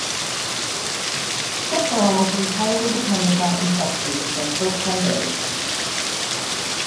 Chicks are almost entirely dependent on insect food for their first ten days.